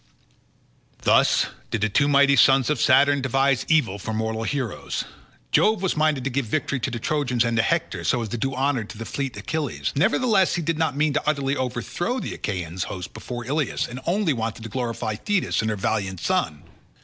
Thus did the two mighty sons of Saturn devise evil for mortal heroes. Jove was minded to give victory to the Trojans and to Hector, so as to do honour to fleet Achilles, nevertheless he did not mean to utterly overthrow the Achaean host before Ilius, and only wanted to glorify Thetis and her valiant son.